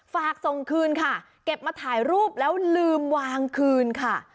ฝากส่งคืนค่ะเก็บมาถ่ายรูปแล้วลืมวางคืนค่ะ